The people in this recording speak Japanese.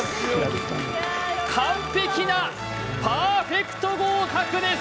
完璧なパーフェクト合格です